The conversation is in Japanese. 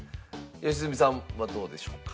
良純さんはどうでしょうか？